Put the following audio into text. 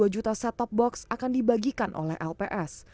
dua juta set top box akan dibagikan oleh lps